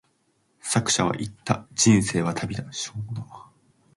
作者は言った、人生は旅だ。